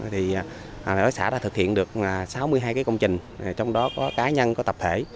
thì hợp tác xã đã thực hiện được sáu mươi hai cái công trình trong đó có cá nhân có tập thể